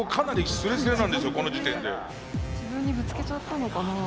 自分にぶつけちゃったのかな。